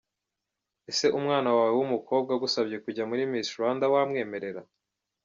Ese umwana wawe w'umukobwa agusabye kujya muri Miss Rwanda wamwemerera?.